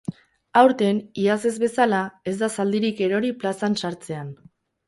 Aurten, iaz ez bezala, ez da zaldirik erori plazan sartzean.